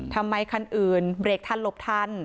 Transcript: คันอื่นเบรกทันหลบทัน